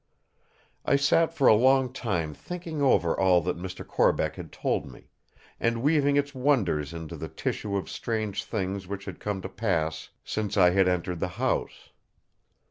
I sat for a long time thinking over all that Mr. Corbeck had told me; and weaving its wonders into the tissue of strange things which had come to pass since I had entered the house.